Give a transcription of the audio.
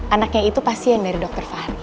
anaknya itu pasien dari dokter fahri